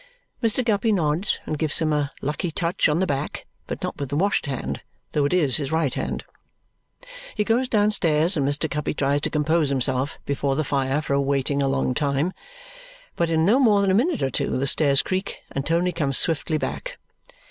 Mr. Guppy nods and gives him a "lucky touch" on the back, but not with the washed hand, though it is his right hand. He goes downstairs, and Mr. Guppy tries to compose himself before the fire for waiting a long time. But in no more than a minute or two the stairs creak and Tony comes swiftly back.